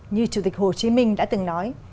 như chủ tịch hồ chí minh đã từng nói